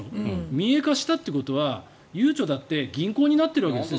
民営化したということはゆうちょだって銀行になっているわけですよ。